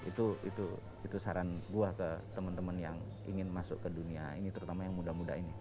itu saran buah ke teman teman yang ingin masuk ke dunia ini terutama yang muda muda ini